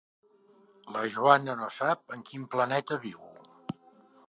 La Joana no sap en quin planeta viu.